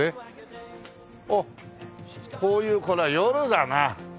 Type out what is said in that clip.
あっこういうこれは夜だな。